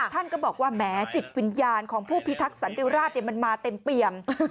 ท่านก็บอกว่าแหมจิตวิญญาณของผู้พิทักษันติราชมันมาเต็มเปี่ยม